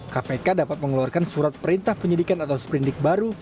kpk dapat mengeluarkan surat perintah penyidikan atau seperindik baru